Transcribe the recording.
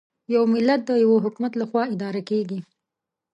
یو ملت د یوه حکومت له خوا اداره کېږي.